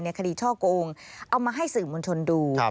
คดีช่อโกงเอามาให้สื่อมวลชนดู